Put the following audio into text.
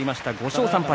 ５勝３敗。